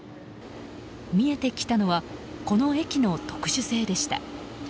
見えてきたのはこの駅の特殊性でした。